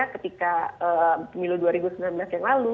ketika pemilu dua ribu sembilan belas yang lalu